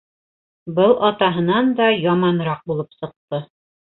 Был атаһынан да яманыраҡ булып сыҡты.